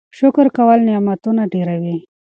شکر کول نعمتونه ډیروي.